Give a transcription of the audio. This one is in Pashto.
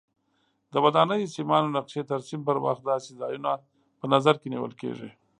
د ودانیو سیمانو نقشې ترسیم پر وخت داسې ځایونه په نظر کې نیول کېږي.